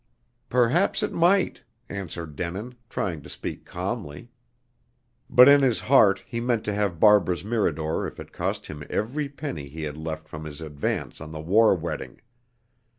"Perhaps it might," answered Denin, trying to speak calmly. But in his heart he meant to have Barbara's Mirador if it cost him every penny he had left from his advance on "The War Wedding."